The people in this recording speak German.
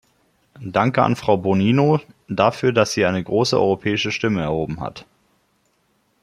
Danke an Frau Bonino dafür, dass sie eine große europäische Stimme erhoben hat.